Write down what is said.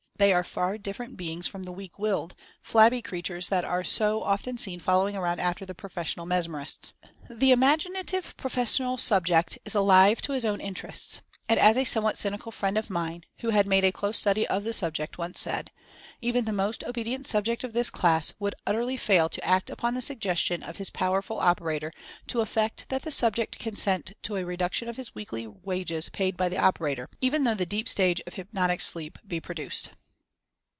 They are far different beings from the weak willed, flabby creatures that are so often seen following around after the professional mesmerists. The imagi native "professional subject" is alive to his own in terests, and as a somewhat cynical friend of mine, who had made a close study of the subject, once said, even the most obedient subject of this class would utterly fail to act upon the suggestion of his powerful operator to effect that the subject consent to a reduc tion of his weekly wages paid by the operator — even though the "deep stage" of hypnotic sleep be pro duced.